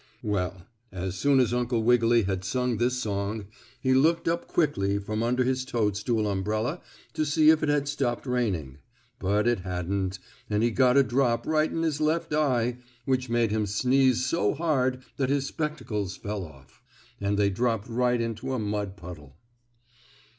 Well, as soon as Uncle Wiggily had sung this song, he looked up quickly from under his toadstool umbrella to see if it had stopped raining, but it hadn't, and he got a drop right in his left eye, which made him sneeze so hard that his spectacles fell off. And they dropped right into a mud puddle.